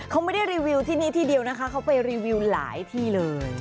เขาไม่ได้รีวิวที่นี่ที่เดียวนะคะเขาไปรีวิวหลายที่เลย